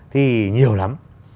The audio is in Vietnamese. thì nhiều lắm